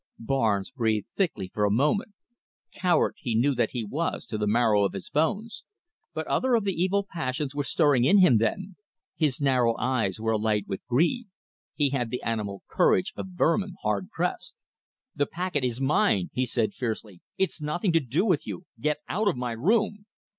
Barnes breathed thickly for a moment. Coward he knew that he was to the marrow of his bones, but other of the evil passions were stirring in him then. His narrow eyes were alight with greed. He had the animal courage of vermin hard pressed. "The packet is mine," he said fiercely. "It's nothing to do with you. Get out of my room."